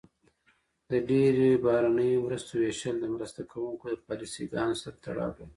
د ډیری بهرنیو مرستو ویشل د مرسته کوونکو د پالیسي ګانو سره تړاو لري.